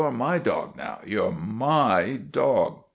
Ye 're my dog now, ye 're my dog."